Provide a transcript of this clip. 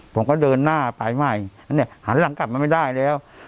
ผมก็เดินหน้าไปใหม่เนี่ยหันหลังกลับมาไม่ได้แล้ว